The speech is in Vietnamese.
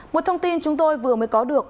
một thông tin chúng tôi vừa mới có được